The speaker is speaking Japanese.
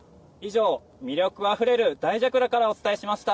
以上、魅力あふれる大蛇ぐらからお伝えしました。